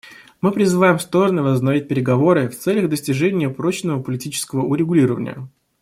Мы призываем стороны возобновить переговоры в целях достижения прочного политического урегулирования.